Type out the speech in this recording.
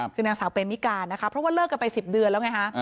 คือนางสาวเปมิกานะคะเพราะว่าเลิกกันไป๑๐เดือนแล้วไงฮะ